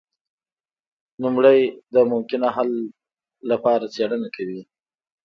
لومړی د ممکنه حل لپاره څیړنه کوي.